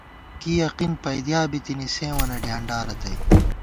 کی یقین پَئیدِیا بِتِنی، سیوں وَنہ ڈیانڈارتئ